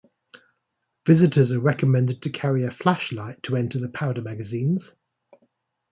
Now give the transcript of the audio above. Visitors are recommended to carry a flashlight to enter the powder magazines.